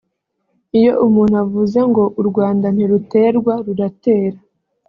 Iyo umuntu avuze ngo ‘u Rwanda ntiruterwa ruratera